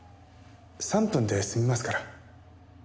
３分で済みますから。